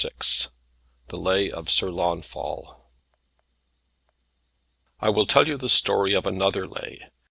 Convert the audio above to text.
VI THE LAY OF SIR LAUNFAL I will tell you the story of another Lay.